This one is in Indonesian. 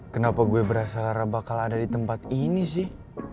kenapa gue berasa rara bakal ada di tempat ini sih